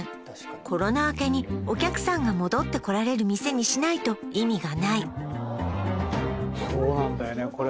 コロナ明けにお客さんが戻ってこられる店にしないと意味がないそうなんだよね